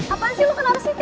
apaan sih lo kenapa sih ti